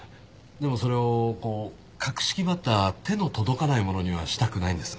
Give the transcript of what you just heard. でもそれをこう格式張った手の届かないものにはしたくないんです。